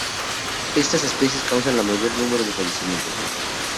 Estas especies causan el mayor número de fallecimientos.